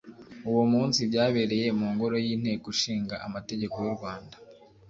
uwo munsi byabereye mu ngoro y inteko ishinga amategeko y u rwanda